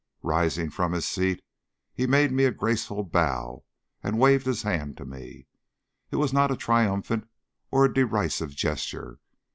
Rising from his seat he made me a graceful bow, and waved his hand to me. It was not a triumphant or a derisive gesture.